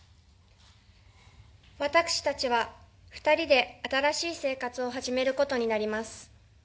私たちは２人で新しい生活を始めることになります。